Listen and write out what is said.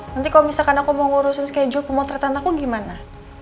nanti kalau misalkan aku mau ngurusin schedu pemotretan aku gimana